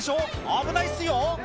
危ないっすよ